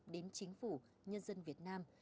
đến chính phủ nhân dân việt nam